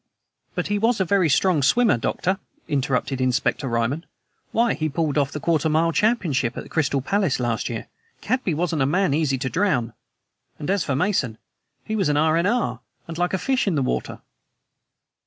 "But he was a very strong swimmer, Doctor," interrupted Inspector Ryman. "Why, he pulled off the quarter mile championship at the Crystal Palace last year! Cadby wasn't a man easy to drown. And as for Mason, he was an R.N.R., and like a fish in the water!"